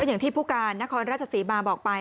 อย่างที่ผู้การนครราชศรีมาบอกไป